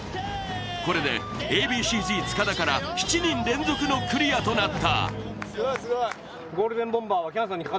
これでＡ．Ｂ．Ｃ−Ｚ・塚田から７人連続のクリアとなった。